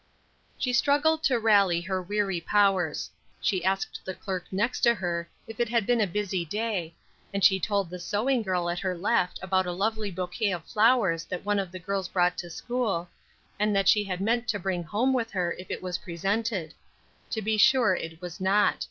She struggled to rally her weary powers. She asked the clerk next her if it had been a busy day, and she told the sewing girl at her left about a lovely bouquet of flowers that one of the girls brought to school, and that she had meant to bring home to her, if it was presented. To be sure it was not.